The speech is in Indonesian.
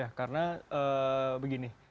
ya karena begini